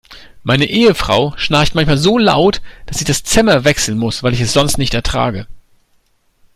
Meine Ehefrau schnarcht manchmal so laut, dass ich das Zimmer wechseln muss, weil ich es sonst nicht ertrage.